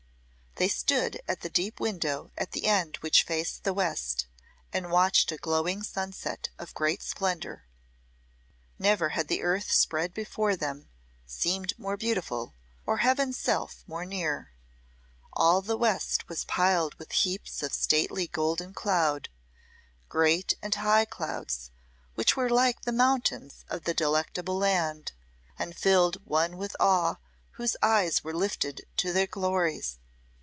They stood at the deep window at the end which faced the west and watched a glowing sunset of great splendour. Never had the earth spread before them seemed more beautiful, or Heaven's self more near. All the west was piled with heaps of stately golden cloud great and high clouds, which were like the mountains of the Delectable Land, and filled one with awe whose eyes were lifted to their glories.